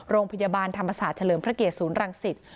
โรงพยาบาลธรรมศาสตร์เฉลิมพระเกตศูนย์รังสิต